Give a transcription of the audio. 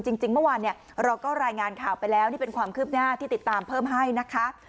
จริงเมื่อวานเนี่ยเราก็รายงานข่าวไปแล้วนี่เป็นความคืบหน้าที่ติดตามเพิ่มให้นะคะ